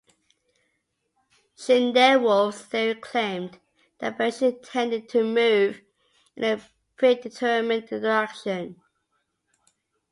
Schindewolf's theory claimed that variation tended to move in a predetermined direction.